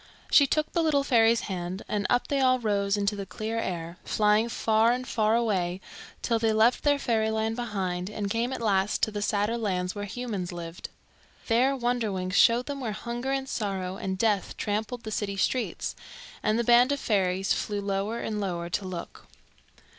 She took the little fairy's hand, and up they all rose into the clear air, flying far and far away till they left their fairyland behind and came at last to the sadder lands where humans lived. There Wonderwings showed them where hunger and sorrow and death trampled the city streets, and the band of fairies flew lower and lower to look.